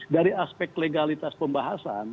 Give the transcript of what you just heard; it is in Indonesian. dari aspek legalitas pembahasan